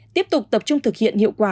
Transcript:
tiếp tục tập trung thực hiện hiệu quả